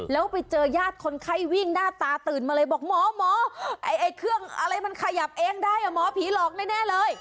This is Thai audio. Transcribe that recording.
แล้วไปเจอญาติคนไข้วิ่งหน้าตาตื่นมาเลยบอกหมอหมอไอ้เครื่องอะไรมันขยับเองได้อ่ะหมอผีหลอกแน่เลย